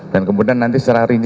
dan kemudian nanti secara rinci